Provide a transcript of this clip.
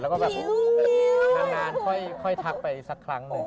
แล้วก็แบบนานค่อยทักไปสักครั้งหนึ่ง